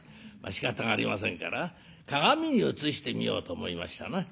しかたがありませんから鏡に映してみようと思いましたな。